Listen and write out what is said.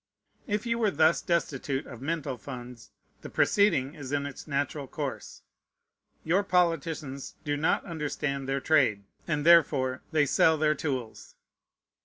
If you were thus destitute of mental funds, the proceeding is in its natural course. Your politicians do not understand their trade; and therefore they sell their tools.